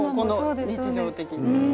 日常的に。